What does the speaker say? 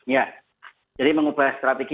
ya jadi mengubah strategi